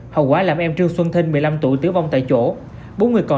hậu quả làm em trương xuân thinh một mươi năm tuổi tử vong tại chỗ